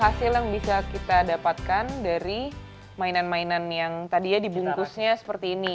hasil yang bisa kita dapatkan dari mainan mainan yang dibungkus seperti ini